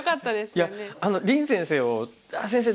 いや林先生を「あっ先生」。